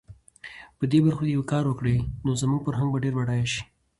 په دې برخو کې کار وکړي، نو زموږ فرهنګ به ډېر بډایه شي.